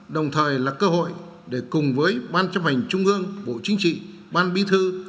đồng thời là cơ hội để cùng với ban chấp hành trung ương bộ chính trị ban bí thư